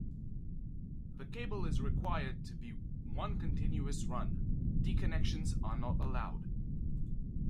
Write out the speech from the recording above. The cable is required to be one continuous run; T-connections are not allowed.